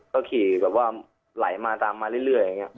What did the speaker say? ก็ขี่แต่ว่าไหลมาตามมาเรื่อย